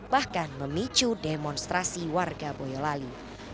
bahkan memicu demonstrasi warga boyolali